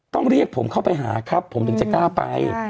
ต้องเรียกผมเข้าไปหาครับผมถึงจะกล้าไป